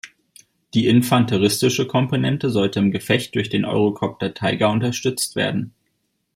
Die infanteristische Komponente sollte im Gefecht durch den Eurocopter Tiger unterstützt werden.